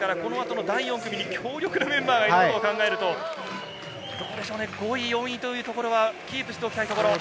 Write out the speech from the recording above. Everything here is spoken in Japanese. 第４組に強力なメンバーがいることを考えると、５位、４位はキープしておきたいところ。